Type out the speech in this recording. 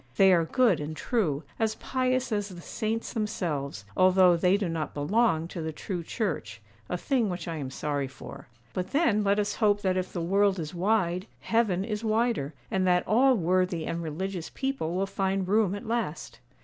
They are good and true, as pious as the saints themselves, although they do not belong to the true Church, a thing which I am sorry for; but then let us hope that if the world is wide, heaven is wider, and that all worthy and religious people will find room at last.